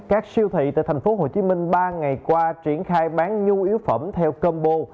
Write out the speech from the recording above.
các siêu thị tại tp hcm ba ngày qua triển khai bán nhu yếu phẩm theo combo